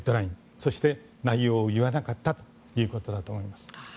そして、内容を言わなかったということだと思います。